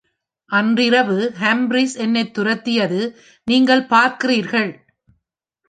அன்றிரவு ஹம்ப்ரிஸ் என்னைத் துரத்தியது நீங்கள் பார்க்கிறீர்கள்.